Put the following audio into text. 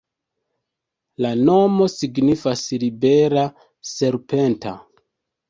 La nomo signifas libera-serpenta.